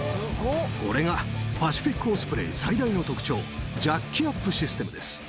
これがパシフィック・オスプレイ最大の特徴、ジャッキアップシステムです。